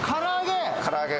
から揚げ？